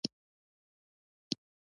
دا سیند له غرونو راځي.